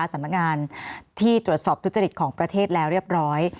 สำนักงานที่ตรวจสอบทุจริตของประเทศแล้วเรียบร้อย